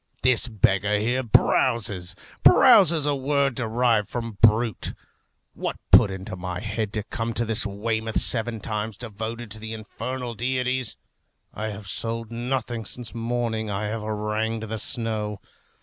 This beggar here browses: browses, a word derived from brute. What put it into my head to come to this Weymouth seven times devoted to the infernal deities? I have sold nothing since morning I have harangued the snow.